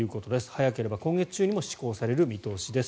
早ければ今月中にも施行される見通しです。